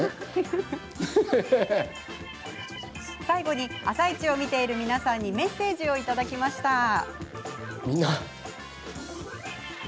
最後に、「あさイチ」を見ている皆さんにメッセージをいただきました。